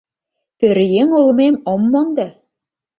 Пӧръеҥ улмем ом мондо